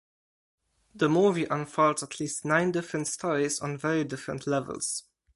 The movie unfolds at least nine different stories on very different levels.